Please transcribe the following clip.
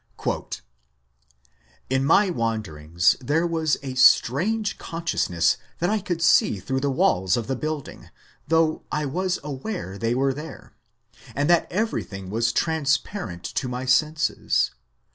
In my wanderings there was a strange consciousness that I could see through the walls of the building, though I was aware they were there, and that everything was trans parent to my senses.